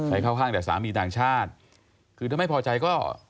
ให้เข้าข้างแต่สามีต่างชาติคือถ้าไม่พอใจก็